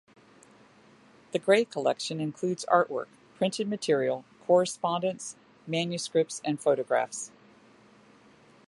The Gray collection includes artwork, printed material, correspondence, manuscripts and photographs.